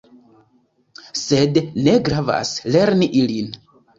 Sed ne gravas lerni ilin.